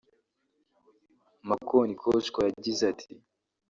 Makonikoshwa yagize ati